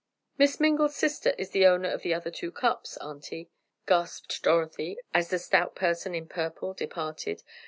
"Miss Mingle's sister is the owner of the other two cups, Auntie," gasped Dorothy, as the stout person in purple departed.